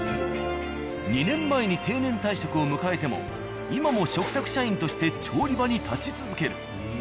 ２年前に定年退職を迎えても今も嘱託社員として調理場に立ち続ける。